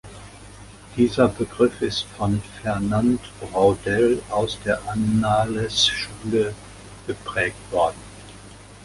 Dieser Begriff ist von Fernand Braudel aus der Annales-Schule geprägt worden.